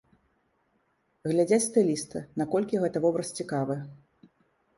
Глядзяць стылісты, наколькі гэты вобраз цікавы.